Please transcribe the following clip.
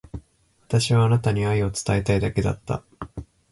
私はあなたに愛を伝えたいだけだった。